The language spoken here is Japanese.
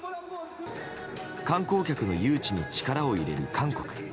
観光客の誘致に力を入れる韓国。